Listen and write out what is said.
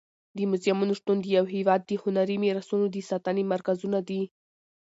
د موزیمونو شتون د یو هېواد د هنري میراثونو د ساتنې مرکزونه دي.